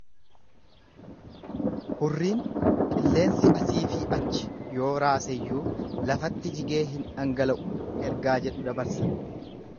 Hurriin qilleensi asiifi achi yoo raaseyyuu lafatti jigee hin dhangala'u ergaa jedhu dabarsa.